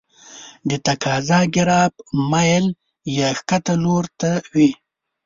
د تقاضا ګراف میل یې ښکته لوري ته وي.